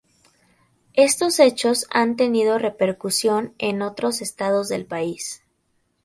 Estos hechos han tenido repercusión en otros estados del país.